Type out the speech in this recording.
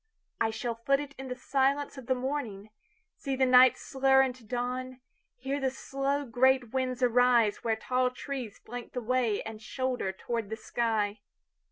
I shall foot itIn the silence of the morning, See the night slur into dawn, Hear the slow great winds ariseWhere tall trees flank the wayAnd shoulder toward the sky.